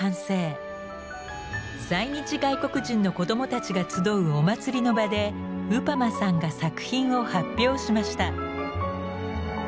在日外国人の子どもたちが集うお祭りの場でウパマさんが作品を発表しました。